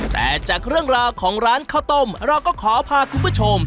แต่จากเรื่องราวของร้านข้าวต้มเราก็ขอพาคุณผู้ชม